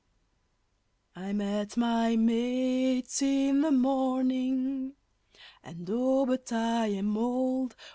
I met my mates in the morning (and, oh, but I am old!)